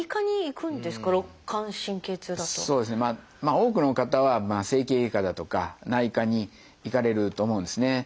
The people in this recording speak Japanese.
多くの方は整形外科だとか内科に行かれると思うんですね。